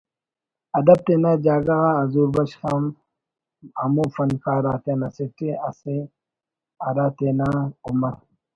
ادب تینا جاگہ غا حضور بخش ہم ہمو فنکار آتیان اسٹ اسے ہرا تینا عمر